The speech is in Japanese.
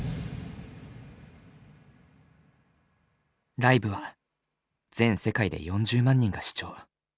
ライブは全世界で４０万人が視聴。